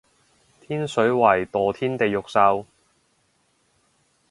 天水圍墮天地獄獸